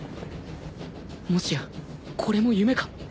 もしやこれも夢か？